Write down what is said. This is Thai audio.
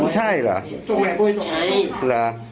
ใช่เหรอใช่หรือ